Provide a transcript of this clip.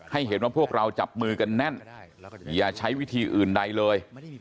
ให้เห็นว่าพวกเราจับมือกันแน่นอย่าใช้วิธีอื่นใดเลย